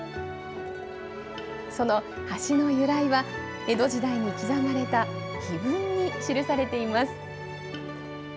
その橋の由来は、江戸時代に刻まれた、碑文に記されています。